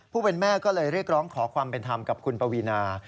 ผู้เป็นแม่ก็เลยเรียกร้องขอความเป็นธรรมกับคุณปวีนา